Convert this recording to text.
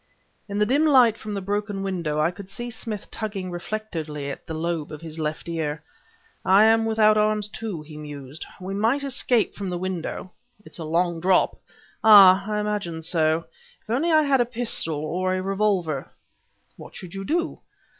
In the dim light from the broken window, I could see Smith tugging reflectively at the lobe of his left ear. "I am without arms, too," he mused. "We might escape from the window " "It's a long drop!" "Ah! I imagined so. If only I had a pistol, or a revolver " "What should you do?"